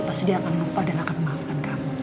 pasti dia akan lupa dan akan memaafkan kamu